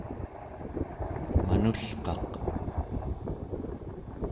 manulqaq